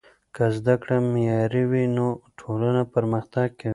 که زده کړه معیاري وي نو ټولنه پرمختګ کوي.